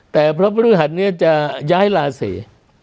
แต่พระพฤหัสนี้จะย้ายราศี